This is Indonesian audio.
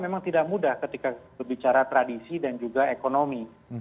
memang tidak mudah ketika berbicara tradisi dan juga ekonomi